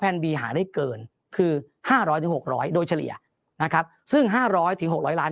บีหาได้เกินคือ๕๐๐๖๐๐โดยเฉลี่ยนะครับซึ่ง๕๐๐๖๐๐ล้าน